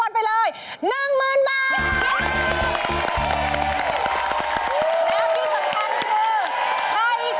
แล้วที่สำคัญคือไขของสำเร็จค่ะ